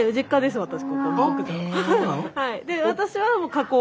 はい。